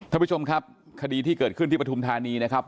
ท่านผู้ชมครับคดีที่เกิดขึ้นที่ปฐุมธานีนะครับ